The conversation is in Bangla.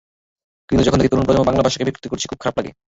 কিন্তু যখন দেখি তরুণ প্রজন্ম বাংলা ভাষাকে বিকৃত করছে, খুব খারাপ লাগে।